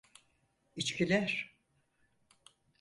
İçkiler.